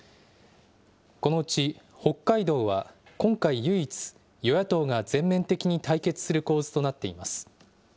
このうち、北海道は今回唯一、与野党が全面的に対決する構図となっています。